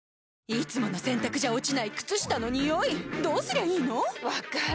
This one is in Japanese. いつもの洗たくじゃ落ちない靴下のニオイどうすりゃいいの⁉分かる。